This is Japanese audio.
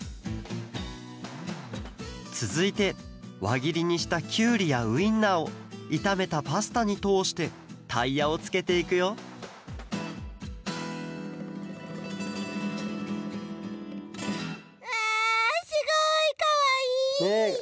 つづいてわぎりにしたキュウリやウインナーをいためたパスタにとおしてタイヤをつけていくようわすごいかわいい！